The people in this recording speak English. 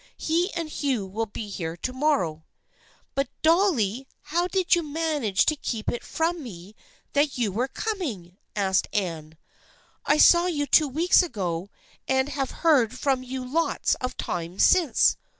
He and Hugh will be here to morrow." " But, Dolly, how did you manage to keep it from me that you were coming?" asked Anne. " I saw you two weeks ago and have heard from you lots of times since."